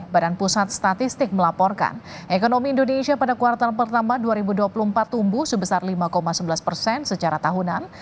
badan pusat statistik melaporkan ekonomi indonesia pada kuartal pertama dua ribu dua puluh empat tumbuh sebesar lima sebelas persen secara tahunan